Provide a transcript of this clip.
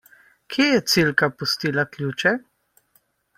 Kje je Cilka pustila ključe?